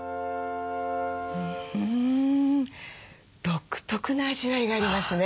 独特な味わいがありますね。